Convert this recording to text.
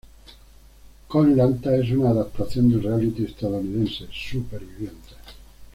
Koh-Lanta es una adaptación del reality estadounidense; Supervivientes.